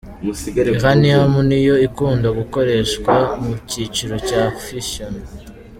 Uranium niyo ikunda gukoreshwa mu cyiciro cya Fission.